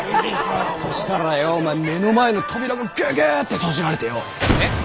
そしたらよお前目の前の扉がぐぐっと閉じられてよ。え！？